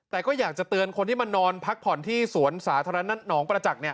แต่ก็อยากจะเตือนคนที่มานอนพักผ่อนที่สวนสาธารณะหนองประจักษ์